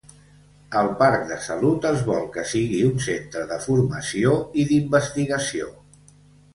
El Parc de Salut es vol que sigui un centre de formació i d'investigació.